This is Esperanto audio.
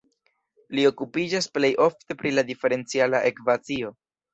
Li okupiĝas plej ofte pri la diferenciala ekvacio.